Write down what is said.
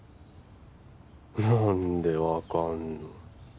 何でわかんの